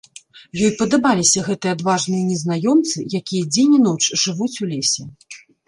Ёй падабаліся гэтыя адважныя незнаёмцы, якія дзень і ноч жывуць у лесе.